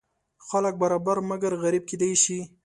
خلک برابر مګر غریب کیدی شي.